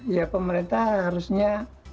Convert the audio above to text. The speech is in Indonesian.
ya pemerintah harusnya